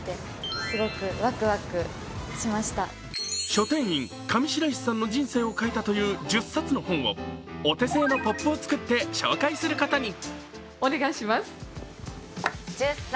書店員・上白石さんの人生を変えたという１０冊の本をお手製のポップを作って紹介することに。